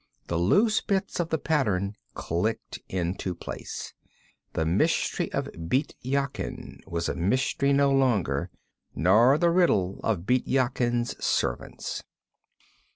The loose bits of the pattern clicked into place. The mystery of Bît Yakin was a mystery no longer, nor the riddle of Bît Yakin's servants.